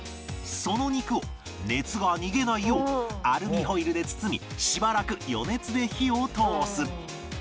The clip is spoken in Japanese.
その肉を熱が逃げないようアルミホイルで包みしばらく余熱で火を通す